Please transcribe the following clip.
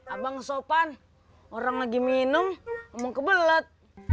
abang sopan orang lagi minum mau kebelet